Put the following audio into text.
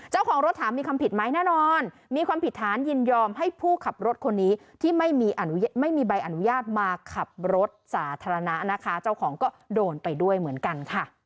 เจ้าของรถถามมีความผิดไหมแน่นอน